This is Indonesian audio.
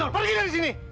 pergi dari sini